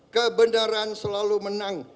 kebenaran selalu menang